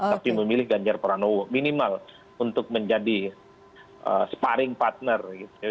tapi memilih ganjar pranowo minimal untuk menjadi sparring partner